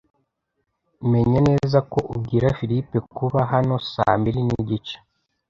Menya neza ko ubwira Philip kuba hano saa mbiri nigice.